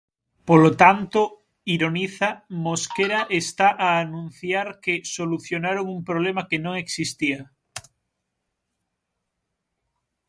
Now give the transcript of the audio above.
Polo tanto, ironiza, Mosquera está a anunciar que "solucionaron un problema que non existía".